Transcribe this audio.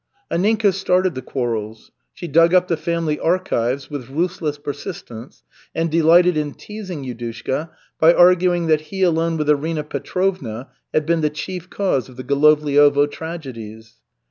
Anninka started the quarrels. She dug up the family archives with ruthless persistence and delighted in teasing Yudushka by arguing that he along with Arina Petrovna had been the chief cause of the Golovliovo tragedies.